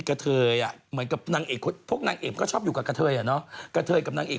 แล้วดาราผู้ชายคนนี้เป็นพระเอกไหม